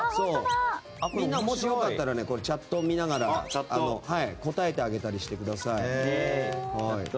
みんな、もし良かったらチャットを見ながら答えてあげたりしてください。